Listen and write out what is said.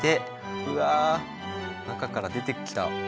うわ中から出てきた！